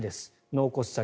納骨先。